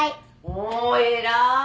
おっ偉い。